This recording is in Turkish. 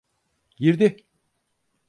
Girdi.